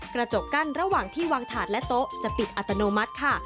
กระจกกั้นระหว่างที่วางถาดและโต๊ะจะปิดอัตโนมัติค่ะ